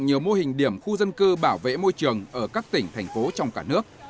nhiều mô hình điểm khu dân cư bảo vệ môi trường ở các tỉnh thành phố trong cả nước